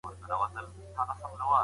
راځئ چي په حقايقو باور وکړو.